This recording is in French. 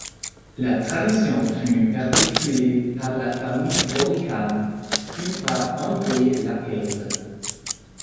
La tradition fut perpétuée par la famille Auricane puis par André Lapeyre.